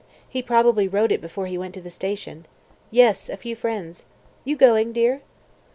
He probably wrote it before he went to the station. Yes, a few friends. You going dear?"